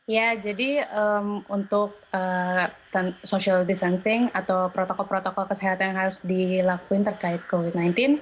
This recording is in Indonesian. ya jadi untuk social distancing atau protokol protokol kesehatan yang harus dilakuin terkait covid sembilan belas